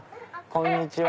こんにちは。